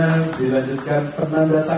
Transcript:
saya tidak pernah ter mesej